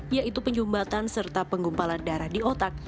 yaitu penyumbatan serta penggumpalan darah di otak